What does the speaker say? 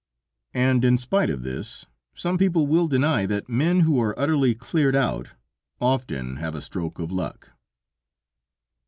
And in spite of this, some people will deny that men who are utterly cleared out, often have a stroke of luck.